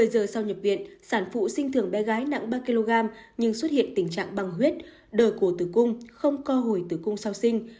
một mươi giờ sau nhập viện sản phụ sinh thường bé gái nặng ba kg nhưng xuất hiện tình trạng băng huyết đời cổ tử cung không co hồi tử cung sau sinh